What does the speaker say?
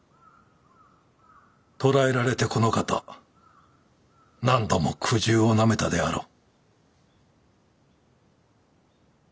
捕らえられてこのかた何度も苦渋をなめたであろう。